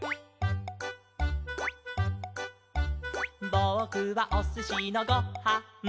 「ぼくはおすしのご・は・ん」